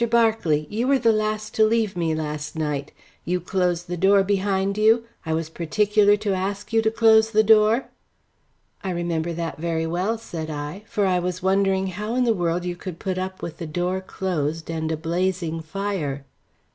Berkeley, you were the last to leave me last night. You closed the door behind you? I was particular to ask you to close the door?" "I remember that very well," said I, "for I was wondering how in the world you could put up with the door closed and a blazing fire."